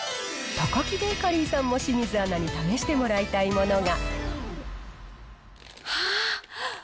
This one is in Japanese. タカキベーカリーさんも清水アナに試してもらいたいものが。